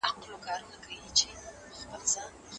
ماشومان به له روزني پرته پرې نه ږدئ.